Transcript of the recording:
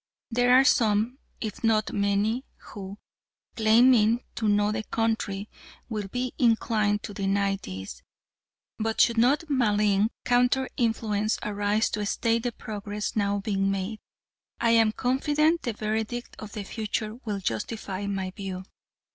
There are some, if not many, who, claiming to know the country, will be inclined to deny this, but should no malign counter influence arise to stay the progress now being made, I am confident the verdict of the future will justify my view.